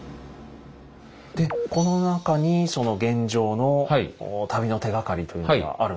でこの中にその玄奘の旅の手がかりというのがあるんですか？